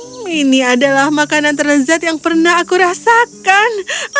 hmm ini adalah makanan terlezat yang pernah aku rasakan